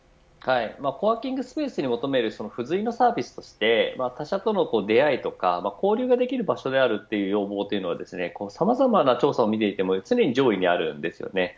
コワーキングスペースに求める付随のサービスとして他者との出会いとか交流ができる場所であるということはさまざまな調査を見ていてもすでに上位にあります。